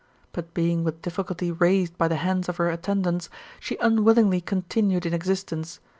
But being with difficulty raised hy the hands of her attendants, she unwillingly continued in existence.